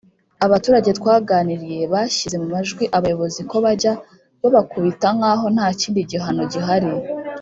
Abaturage twaganiriye bashyize mu majwi abayobozi ko bajya babakubita nk’aho nta kindi gihano gihari